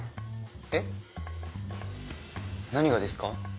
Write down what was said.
えっ？何がですか？